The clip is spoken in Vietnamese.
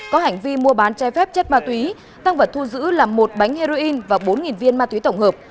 có hành vi mua bán trái phép chất ma túy tăng vật thu giữ là một bánh heroin và bốn viên ma túy tổng hợp